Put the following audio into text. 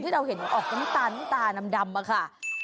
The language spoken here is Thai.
ที่เราเห็นออกตามตาด้ำค่ะ